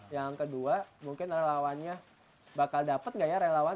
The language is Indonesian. yang kedua mungkin relawannya bakal dapat nggak ya relawan